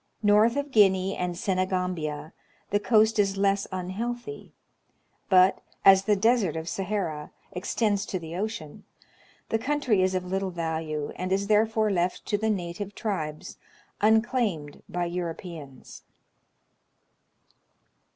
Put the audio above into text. North of Guinea and Senegambia the coast is less un healthy; but, as the Desert of Sahara extends to the ocean, the country is of little value, and is therefore left to the native tribes, unclaimed by Europeans.